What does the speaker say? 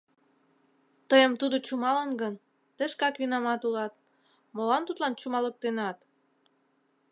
Тыйым тудо чумалын гын, тый шкак винамат улат, молан тудлан чумалыктенат.